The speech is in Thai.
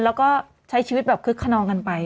แล้วก็ใช้ชีวิตเข้าคณงกันไป